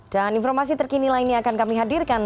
dan informasi terkini lainnya akan kami sampaikan